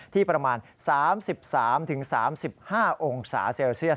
ที่ประมาณ๓๓๕องศาเซลเซียส